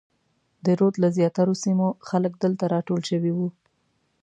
د رود له زیاترو سیمو خلک دلته راټول شوي وو.